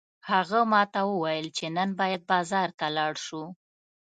هغه ماته وویل چې نن باید بازار ته لاړ شو